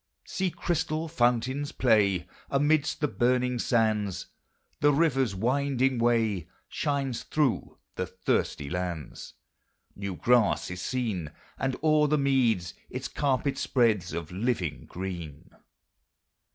See crystal fountains play Amidst the burning sands; The river's winding way Shines through the thirsty lands; New grass is seen, And o'er the meads Its carpet spreads Of living green.